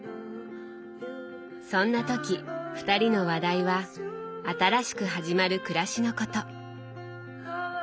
そんな時二人の話題は新しく始まる暮らしのこと。